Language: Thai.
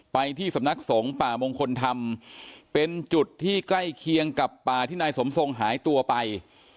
ไปที่สำนักสงฆ์ป่ามงคลธรรมเป็นจุดที่ใกล้เคียงกับป่าที่นายสมทรงหายตัวไป